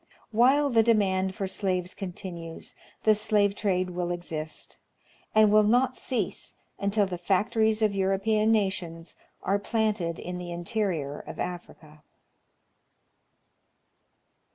While the demand for slaves continues, the slave trade will exist, and will not cease until the factories of European nations are planted in the interior of Africa.